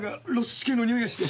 市警のにおいがして。